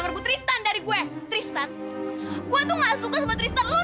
jadi paling nggak peduli sama lo undi vas asp di suku ilang ni